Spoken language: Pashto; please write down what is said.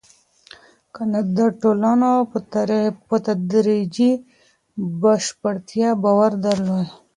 کنت د ټولنو په تدريجي بشپړتيا باور درلود.